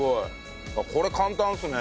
これ簡単ですね。